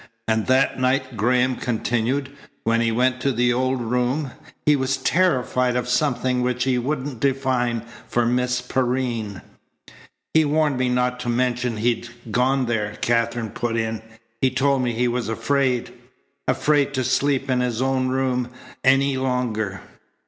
"And that night," Graham continued, "when he went to the old room, he was terrified of something which he wouldn't define for Miss Perrine." "He warned me not to mention he'd gone there," Katherine put in. "He told me he was afraid afraid to sleep in his own room any longer."